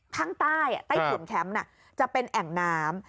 ข้างใต้ใต้ถุนแคมป์จะเป็นแอ่งน้ำ